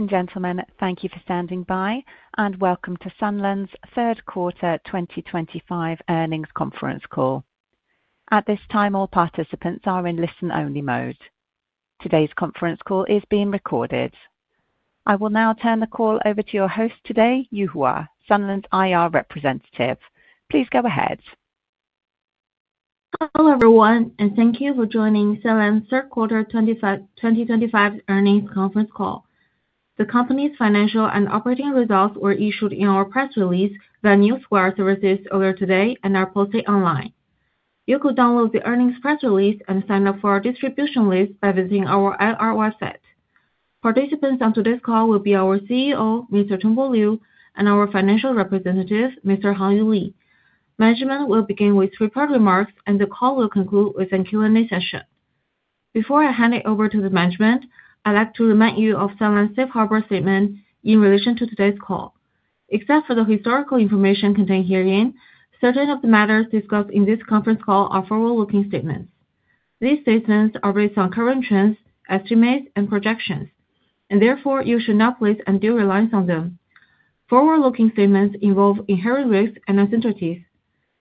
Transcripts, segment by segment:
Ladies and gentlemen, thank you for standing by, and welcome to Sunlands' Third Quarter 2025 Earnings Conference Call. At this time, all participants are in listen-only mode. Today's conference call is being recorded. I will now turn the call over to your host today, Yuhua, Sunlands' IR representative. Please go ahead. Hello, everyone, and thank you for joining Sunlands' third quarter 2025 earnings conference call. The company's financial and operating results were issued in our press release via NewsWire services earlier today and are posted online. You could download the earnings press release and sign up for our distribution list by visiting our IR website. Participants on today's call will be our CEO, Mr. Tongbo Liu, and our financial representative, Mr. Hangyu Li. Management will begin with three-part remarks, and the call will conclude with a Q&A session. Before I hand it over to the management, I'd like to remind you of Sunlands' safe harbor statement in relation to today's call. Except for the historical information contained herein, certain of the matters discussed in this conference call are forward-looking statements. These statements are based on current trends, estimates, and projections, and therefore you should not place undue reliance on them. Forward-looking statements involve inherent risks and uncertainties.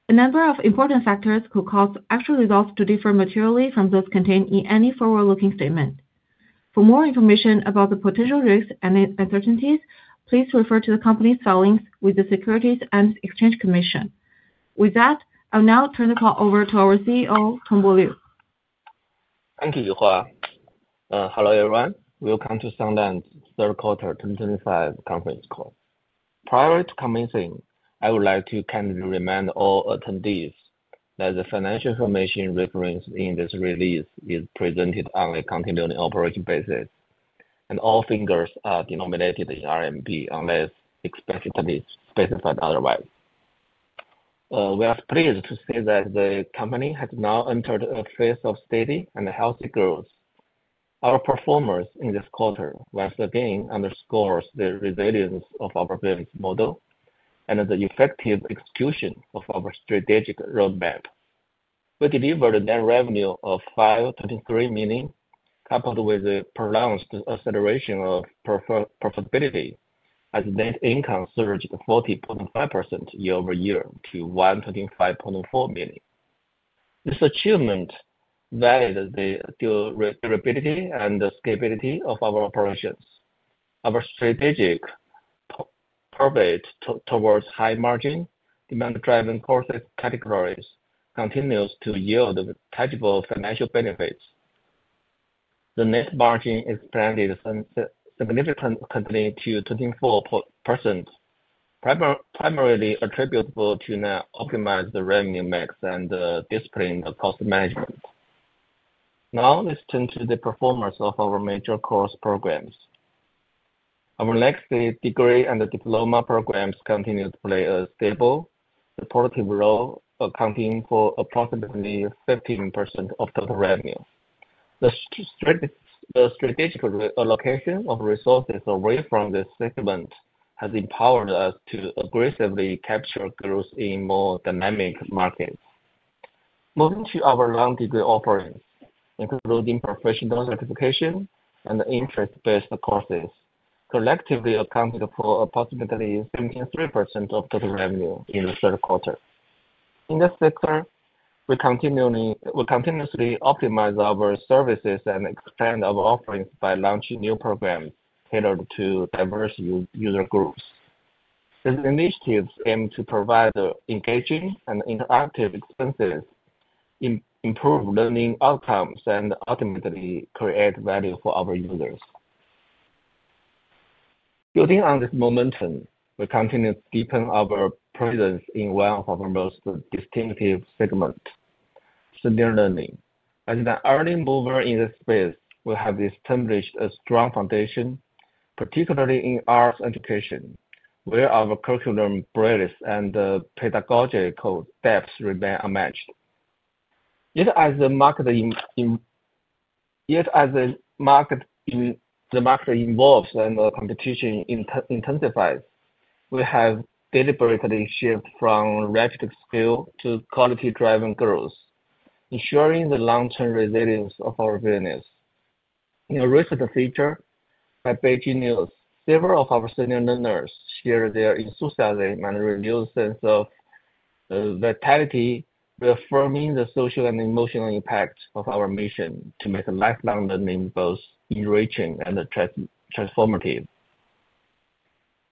A number of important factors could cause actual results to differ materially from those contained in any forward-looking statement. For more information about the potential risks and uncertainties, please refer to the company's filings with the Securities and Exchange Commission. With that, I will now turn the call over to our CEO, Tongbo Liu. Thank you, Yuhua. Hello, everyone. Welcome to Sunlands' Third Quarter 2025 Conference Call. Prior to commencing, I would like to kindly remind all attendees that the financial information referenced in this release is presented on a continuing operating basis, and all figures are denominated in RMB unless explicitly specified otherwise. We are pleased to say that the company has now entered a phase of steady and healthy growth. Our performance in this quarter once again underscores the resilience of our business model and the effective execution of our strategic roadmap. We delivered a net revenue of 523 million, coupled with a pronounced acceleration of profitability as net income surged 40.5% year-over-year to 125.4 million. This achievement validates the durability and scalability of our operations. Our strategic pivot towards high-margin, demand-driving process categories continues to yield tangible financial benefits. The net margin expanded significantly to 24%, primarily attributable to optimized revenue mix and disciplined cost management. Now, let's turn to the performance of our major course programs. Our next degree and diploma programs continue to play a stable, supportive role, accounting for approximately 15% of total revenue. The strategic allocation of resources away from this segment has empowered us to aggressively capture growth in more dynamic markets. Moving to our long-degree offerings, including professional certification and interest-based courses, collectively accounted for approximately 73% of total revenue in the third quarter. In this sector, we continuously optimize our services and expand our offerings by launching new programs tailored to diverse user groups. These initiatives aim to provide engaging and interactive experiences, improve learning outcomes, and ultimately create value for our users. Building on this momentum, we continue to deepen our presence in one of our most distinctive segments, senior learning. As an early mover in this space, we have established a strong foundation, particularly in arts education, where our curriculum breadth and pedagogical depth remain unmatched. Yet as the market evolves and the competition intensifies, we have deliberately shifted from rapid growth to quality-driven growth, ensuring the long-term resilience of our business. In a recent feature by Beijing News, several of our senior learners shared their enthusiasm and renewed sense of vitality, reaffirming the social and emotional impact of our mission to make lifelong learning both enriching and transformative.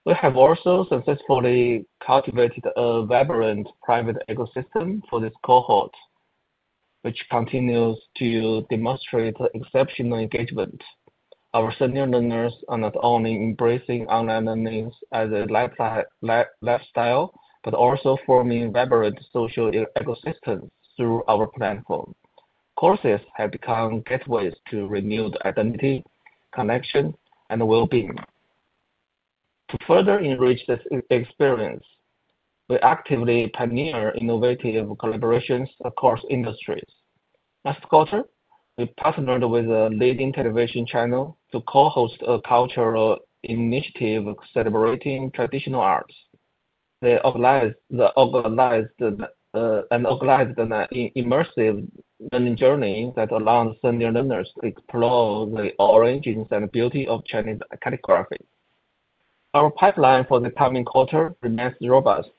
We have also successfully cultivated a vibrant private ecosystem for this cohort, which continues to demonstrate exceptional engagement. Our senior learners are not only embracing online learning as a lifestyle but also forming vibrant social ecosystems through our platform. Courses have become gateways to renewed identity, connection, and well-being. To further enrich this experience, we actively pioneer innovative collaborations across industries. Last quarter, we partnered with a leading television channel to co-host a cultural initiative celebrating traditional arts. They organized an immersive learning journey that allows senior learners to explore the origins and beauty of Chinese calligraphy. Our pipeline for the coming quarter remains robust,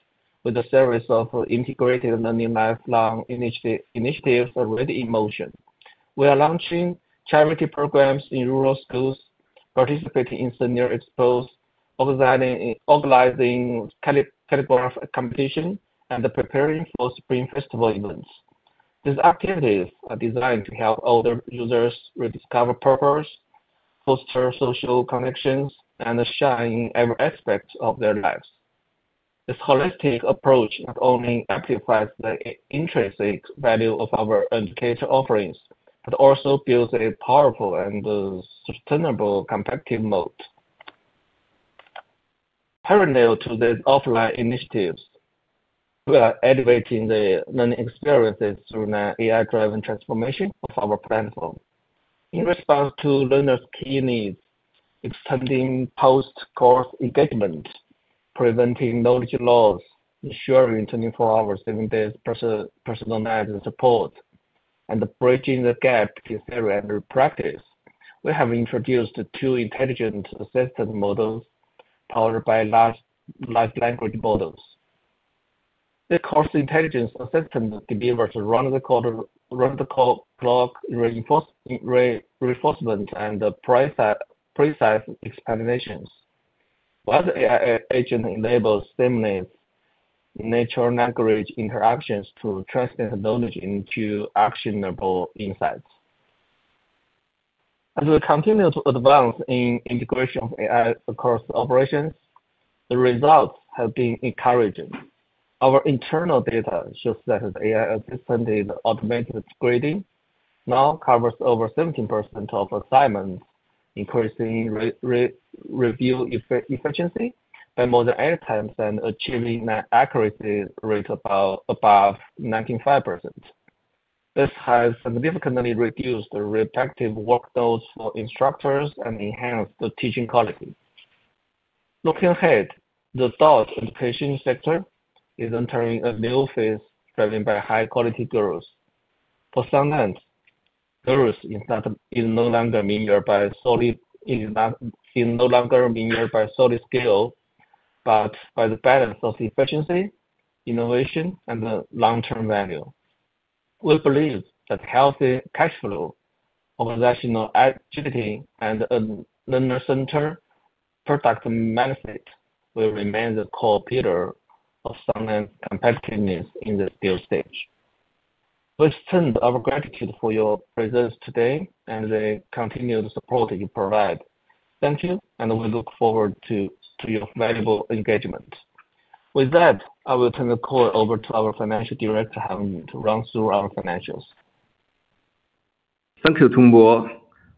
with a series of integrated learning lifelong initiatives already in motion. We are launching charity programs in rural schools, participating in senior expos, organizing calligraphy competitions, and preparing for spring festival events. These activities are designed to help older users rediscover purpose, foster social connections, and shine in every aspect of their lives. This holistic approach not only amplifies the intrinsic value of our educational offerings but also builds a powerful and sustainable competitive moat. Parallel to these offline initiatives, we are elevating the learning experiences through an AI-driven transformation of our platform. In response to learners' key needs, extending post-course engagement, preventing knowledge loss, ensuring 24-hour, 7-day personalized support, and bridging the gap between theory and practice, we have introduced two intelligent assistance models powered by large language models. The course intelligence assistant delivers round-the-clock reinforcement and precise explanations, while the AI agent enables seamless natural language interactions to translate knowledge into actionable insights. As we continue to advance in integration of AI across operations, the results have been encouraging. Our internal data shows that the AI-assisted automated grading now covers over 70% of assignments, increasing review efficiency by more than eight times and achieving an accuracy rate above 95%. This has significantly reduced the repetitive workloads for instructors and enhanced the teaching quality. Looking ahead, the thought education sector is entering a new phase driven by high-quality growth. For Sunlands, growth is no longer measured by solid skill, but by the balance of efficiency, innovation, and long-term value. We believe that healthy cash flow, organizational agility, and a learner-centered product mindset will remain the core pillar of Sunlands' competitiveness in this field stage. We extend our gratitude for your presence today and the continued support you provide. Thank you, and we look forward to your valuable engagement. With that, I will turn the call over to our Financial Director, Hangyu Li, to run through our financials. Thank you, Tongbo.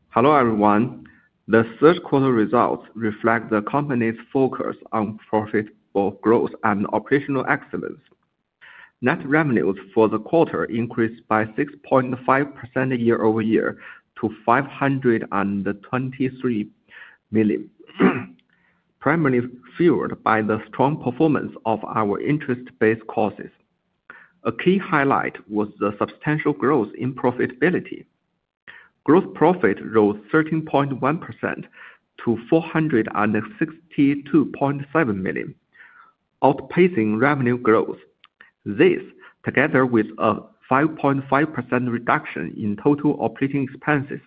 Hello everyone. The third quarter results reflect the company's focus on profitable growth and operational excellence. Net revenues for the quarter increased by 6.5% year-over-year to 523 million, primarily fueled by the strong performance of our interest-based courses. A key highlight was the substantial growth in profitability. Gross profit rose 13.1% to RMB 462.7 million, outpacing revenue growth. This, together with a 5.5% reduction in total operating expenses,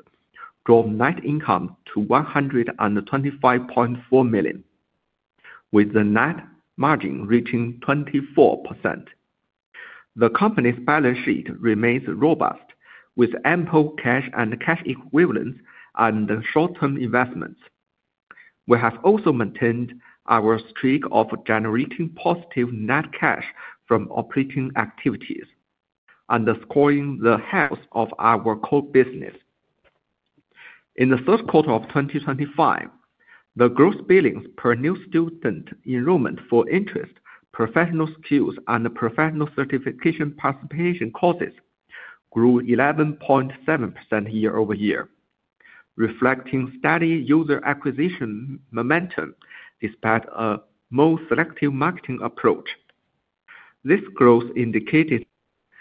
drove net income to 125.4 million, with the net margin reaching 24%. The company's balance sheet remains robust, with ample cash and cash equivalents and short-term investments. We have also maintained our streak of generating positive net cash from operating activities, underscoring the health of our core business. In the third quarter of 2025, the gross billings per new student enrollment for interest, professional skills, and professional certification participation courses grew 11.7% year-over-year, reflecting steady user acquisition momentum despite a more selective marketing approach. This growth indicated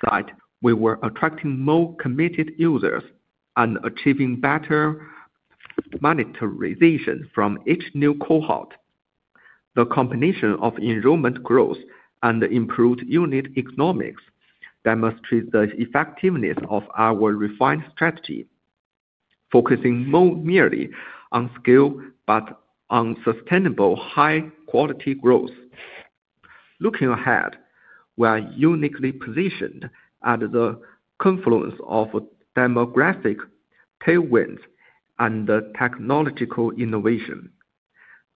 that we were attracting more committed users and achieving better monetization from each new cohort. The combination of enrollment growth and improved unit economics demonstrates the effectiveness of our refined strategy, focusing more merely on skill but on sustainable high-quality growth. Looking ahead, we are uniquely positioned at the confluence of demographic tailwinds and technological innovation.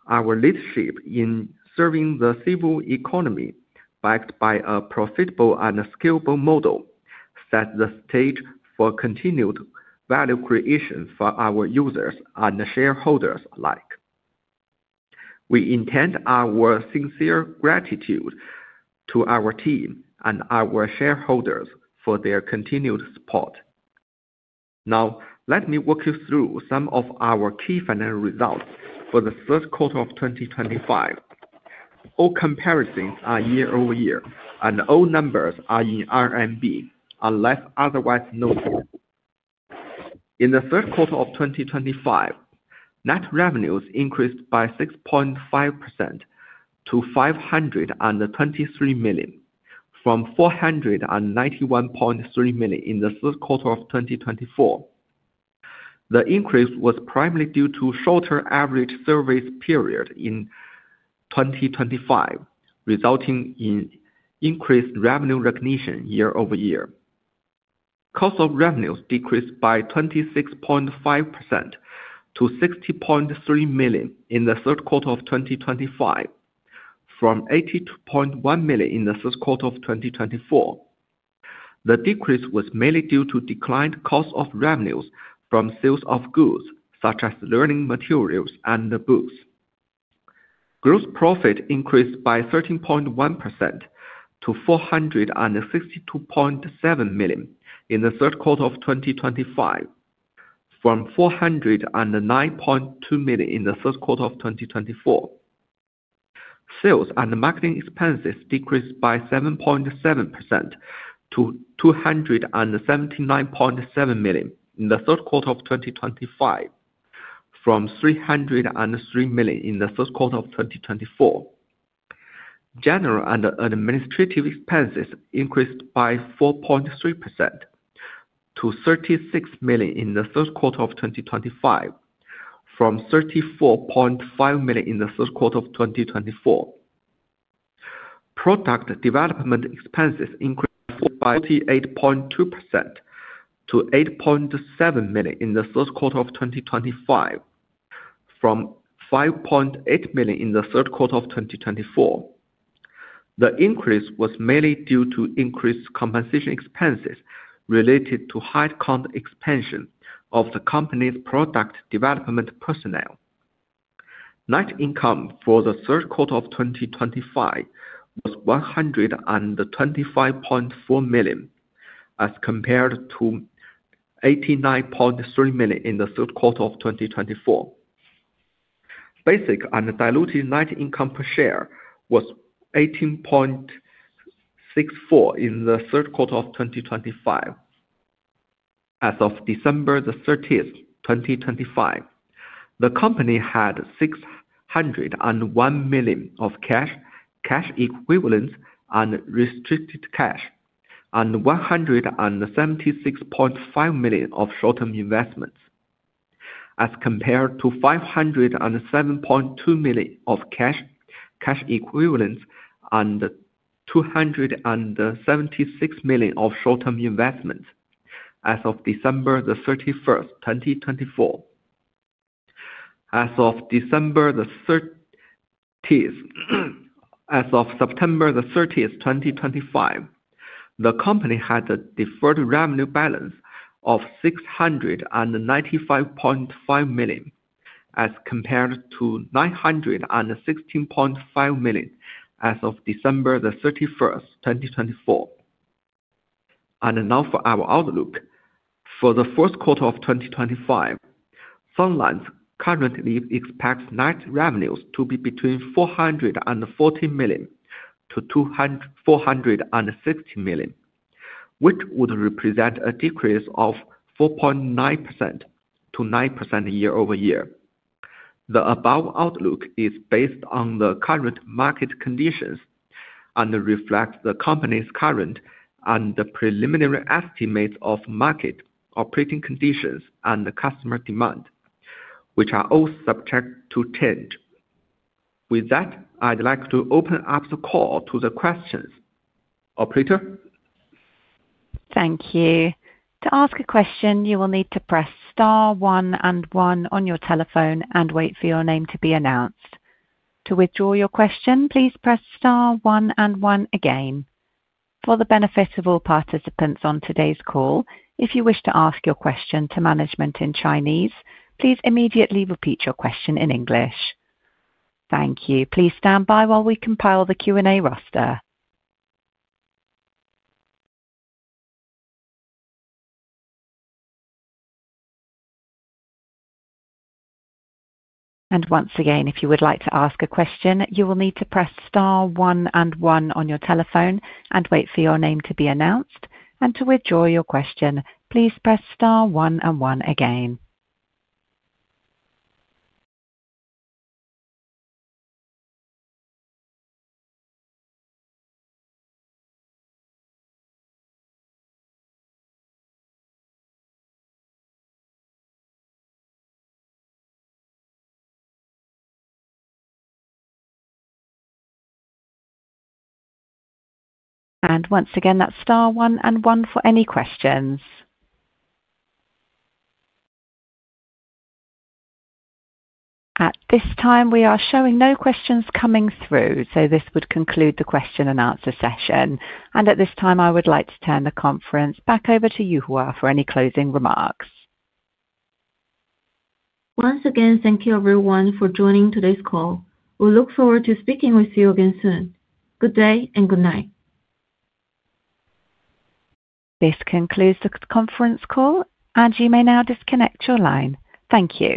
Our leadership in serving the civil economy, backed by a profitable and scalable model, sets the stage for continued value creation for our users and shareholders alike. We intend our sincere gratitude to our team and our shareholders for their continued support. Now, let me walk you through some of our key financial results for the third quarter of 2025. All comparisons are year-over-year, and all numbers are in RMB, unless otherwise noted. In the third quarter of 2025, net revenues increased by 6.5% to 523 million, from 491.3 million in the third quarter of 2024. The increase was primarily due to shorter average service period in 2025, resulting in increased revenue recognition year-over-year. Cost of revenues decreased by 26.5% to 60.3 million in the third quarter of 2025, from 82.1 million in the third quarter of 2024. The decrease was mainly due to declined cost of revenues from sales of goods such as learning materials and books. Gross profit increased by 13.1% to 462.7 million in the third quarter of 2025, from 409.2 million in the third quarter of 2024. Sales and marketing expenses decreased by 7.7% to 279.7 million in the third quarter of 2025, from 303 million in the third quarter of 2024. General and administrative expenses increased by 4.3% to 36 million in the third quarter of 2025, from 34.5 million in the third quarter of 2024. Product development expenses increased by 48.2% to 8.7 million in the third quarter of 2025, from 5.8 million in the third quarter of 2024. The increase was mainly due to increased compensation expenses related to high-count expansion of the company's product development personnel. Net income for the third quarter of 2025 was 125.4 million, as compared to 89.3 million in the third quarter of 2024. Basic and diluted net income per share was 18.64 in the third quarter of 2025. As of December 30th, 2025, the company had 601 million of cash equivalents and restricted cash, and 176.5 million of short-term investments, as compared to 507.2 million of cash equivalents and 276 million of short-term investments as of December 31st, 2024. As of September 30th, 2025, the company had a deferred revenue balance of 695.5 million, as compared to 916.5 million as of December 31st, 2024. For our outlook, for the fourth quarter of 2025, Sunlands currently expects net revenues to be between 440 million-460 million, which would represent a decrease of 4.9%-9% year-over-year. The above outlook is based on the current market conditions and reflects the company's current and preliminary estimates of market operating conditions and customer demand, which are all subject to change. With that, I'd like to open up the call to the questions. Operator? Thank you. To ask a question, you will need to press star one and one on your telephone and wait for your name to be announced. To withdraw your question, please press star one and one again. For the benefit of all participants on today's call, if you wish to ask your question to management in Chinese, please immediately repeat your question in English. Thank you. Please stand by while we compile the Q&A roster. Once again, if you would like to ask a question, you will need to press star one and one on your telephone and wait for your name to be announced. To withdraw your question, please press star one and one again. Once again, that is star one and one for any questions. At this time, we are showing no questions coming through, so this would conclude the question-and-answer session. At this time, I would like to turn the conference back over to Yuhua for any closing remarks. Once again, thank you, everyone, for joining today's call. We look forward to speaking with you again soon. Good day and good night. This concludes the conference call, and you may now disconnect your line. Thank you.